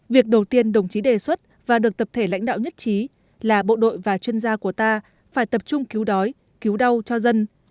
việc đầu tiên đồng chí đề xuất và được tập thể lãnh đạo nhất trí là bộ đội và chuyên gia của ta phải tập trung cứu đói cứu đau cho dân